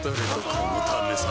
このためさ